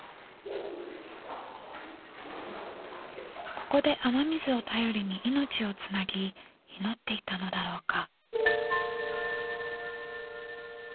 ここで雨水を頼りに命をつなぎ祈っていたのだろうか。